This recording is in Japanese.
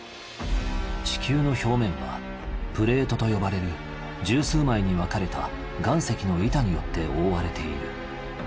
地球の表面はプレートと呼ばれる十数枚に分かれた岩石の板によって覆われている。